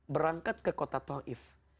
berangkat ke kota taif